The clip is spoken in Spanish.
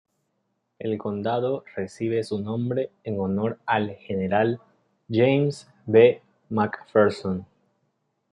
El condado recibe su nombre en honor al general James B. McPherson.